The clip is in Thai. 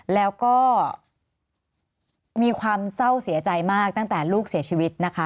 แล้วก็มีความเศร้าเสียใจมากตั้งแต่ลูกเสียชีวิตนะคะ